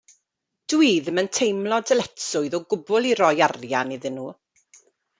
Dw i ddim yn teimlo dyletswydd o gwbl i roi arian iddyn nhw.